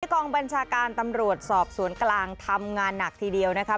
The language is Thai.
กองบัญชาการตำรวจสอบสวนกลางทำงานหนักทีเดียวนะครับ